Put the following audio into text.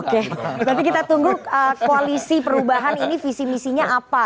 oke tapi kita tunggu koalisi perubahan ini visi misinya apa